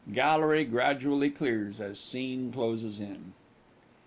Gallery gradually clears as Scene closes in.